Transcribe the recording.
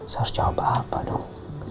saya harus jawab apa dong